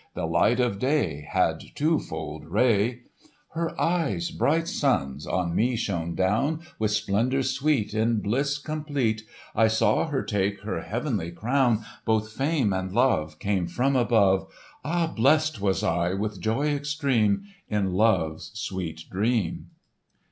The light of day Had twofold ray— "Her eyes—bright suns—on me shone down With splendour sweet, In bliss complete I saw her take her heavenly crown— Both Fame and Love Came from above! Ah, blest was I with joy extreme In Love's sweet dream!"